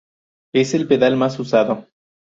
Es el pedal más usado.